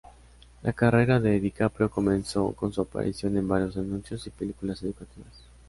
La carrera de DiCaprio comenzó con su aparición en varios anuncios y películas educativas.